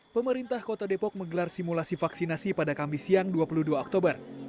pemerintah kota depok menggelar simulasi vaksinasi pada kamis siang dua puluh dua oktober